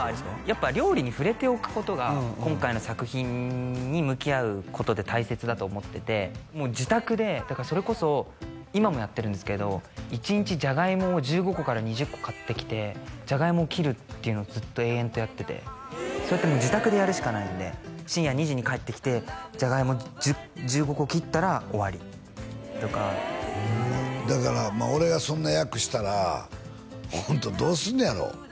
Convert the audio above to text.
やっぱ料理に触れておくことが今回の作品に向き合うことで大切だと思っててもう自宅でだからそれこそ今もやってるんですけど１日ジャガイモを１５個から２０個買ってきてジャガイモを切るっていうのずっと延々とやっててそうやって自宅でやるしかないんで深夜２時に帰ってきてジャガイモ１５個切ったら終わりとかだから俺がそんな役したらホントどうすんねやろ